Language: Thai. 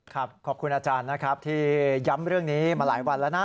ขอบคุณอาจารย์นะครับที่ย้ำเรื่องนี้มาหลายวันแล้วนะ